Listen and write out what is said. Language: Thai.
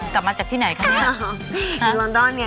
กลับมาจากที่ไหนคะ